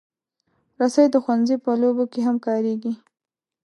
رسۍ د ښوونځي په لوبو کې هم کارېږي.